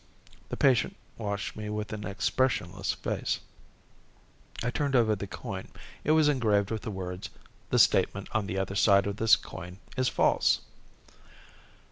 The patient watched me with an expressionless face; I turned over the coin. It was engraved with the words: THE STATEMENT ON THE OTHER SIDE OF THIS COIN IS FALSE.